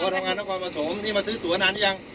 ทำงานนครปฐมนี่มาซื้อตัวนานหรือยัง